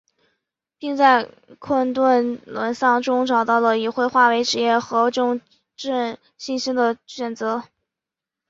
并在困顿沮丧中找到了以绘画为职业和重振信心的选择。